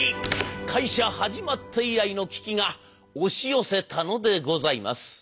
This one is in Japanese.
会社始まって以来の危機が押し寄せたのでございます。